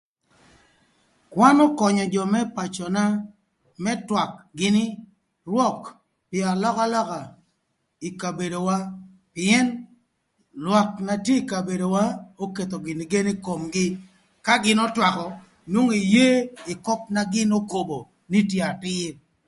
Kwan ökönyö jö më pacöna më twak gïnï rwök pï alökalöka ï kabedowa. Pïën lwak na tye ï kabedowa oketho gïnï gen ï komgï ka gïn ötwakö, onwongo eye ï köp na gïn okobo nï tye atïr.